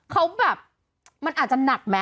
เขาแบบมันอาจจะหนักไหม